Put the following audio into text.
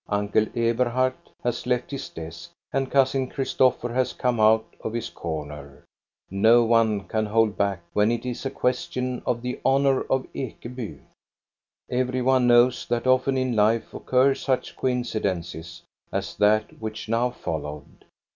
Uncle Eberhard has left his desk, and Cousin Chris topher has come out of his corner. No one can hold ^ack when it is a question of the honor of Ekeby. I Every one knows that often in life occur such ^coincidences as that which now followed.